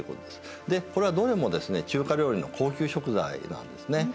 でこれはどれもですね中華料理の高級食材なんですね。